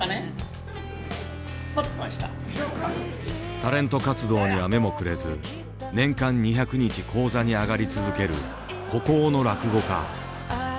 タレント活動には目もくれず年間２００日高座に上がり続ける孤高の落語家。